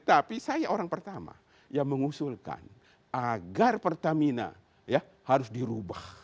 tapi saya orang pertama yang mengusulkan agar pertamina harus dirubah